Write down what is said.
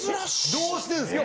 どうしてんですか？